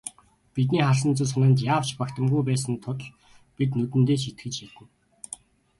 Бидний харсан зүйл санаанд яавч багтамгүй байсан тул бид нүдэндээ ч итгэж ядна.